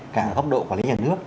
cả góc độ quản lý nhà nước